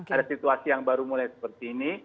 ada situasi yang baru mulai seperti ini